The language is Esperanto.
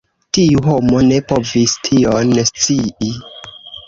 Tiu homo ne povis tion scii.